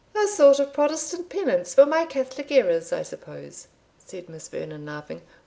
"A sort of Protestant penance for my Catholic errors, I suppose," said Miss Vernon, laughing.